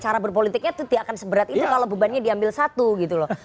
cara berpolitiknya itu tidak akan seberat itu kalau bebannya diambil satu gitu loh